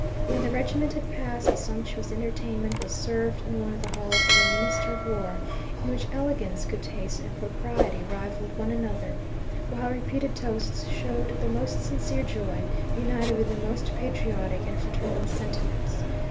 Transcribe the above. When the regiment had passed, a sumptuous entertainment was served in one of the halls of the Minister of War, in which elegance, good taste, and propriety, rivalled one another; while repeated toasts showed the most sincere joy, united with the most patriotic and fraternal sentiments.